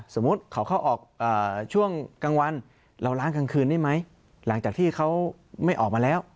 สมมุติเขาเข้าออกช่วงกลางวันเราล้างกลางคืนได้ไหมหลังจากที่เขาไม่ออกมาแล้ว